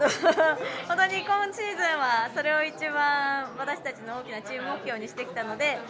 本当に今シーズンはそれを一番、私たちの一番大きなチーム目標にしてきたので。